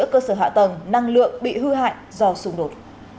hỗ trợ chữa cơ sở hạ tầng năng lượng bị hư hại do xung đột